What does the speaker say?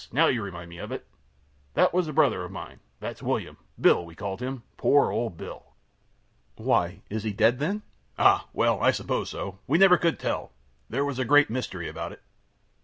Now you remind me of it; that was a brother of mine. That's William Bill we called him. Poor old Bill! Q. Why? Is he dead, then? A. Ah! well, I suppose so. We never could tell. There was a great mystery about it.